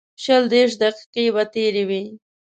شل دېرش دقیقې به تېرې وې.